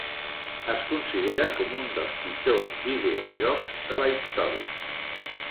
Es considera com un dels pitjors videojocs de la història.